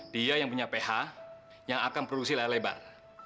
dia yang punya ph yang akan produksi layar lebar